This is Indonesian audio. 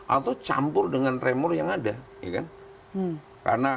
atau campur dengan tremor yang ada